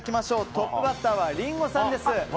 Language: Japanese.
トップバッターはリンゴさんです。